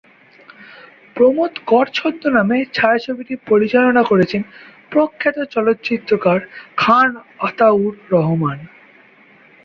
প্রমোদ কর ছদ্মনামে ছায়াছবিটি পরিচালনা করেছেন প্রখ্যাত চলচ্চিত্রকার খান আতাউর রহমান।